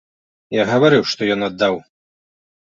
Я гаварыў, што ён аддаў.